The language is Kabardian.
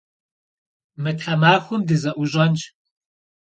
Mı themaxuem dıze'uş'enş.